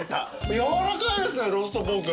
やわらかいですねローストポーク。